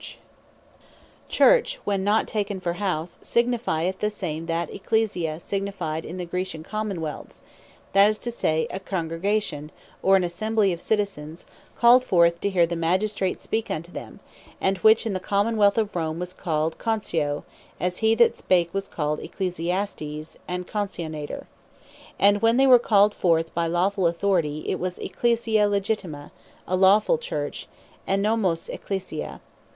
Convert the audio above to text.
Ecclesia Properly What Church (when not taken for a House) signifieth the same that Ecclesia signified in the Grecian Common wealths; that is to say, a Congregation, or an Assembly of Citizens, called forth, to hear the Magistrate speak unto them; and which in the Common wealth of Rome was called Concio, as he that spake was called Ecclesiastes, and Concionator. And when they were called forth by lawfull Authority, (Acts 19.39.) it was Ecclesia Legitima, a Lawfull Church, Ennomos Ecclesia.